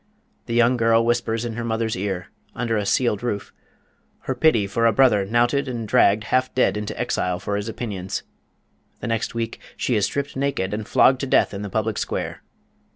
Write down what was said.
The young girl whispers in her mother's ear, under a ceiled roof, her pity for a brother knouted and dragged half dead into exile for his opinions. The next week she is stripped naked and flogged to death in the public square.